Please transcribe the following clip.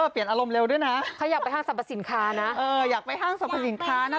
เปลี่ยนอารมณ์เร็วด้วยนะเขาอยากไปห้างสรรพสินค้านะ